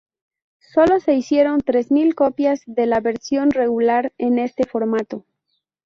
Solo se hicieron tres mil copias de la versión regular en este formato.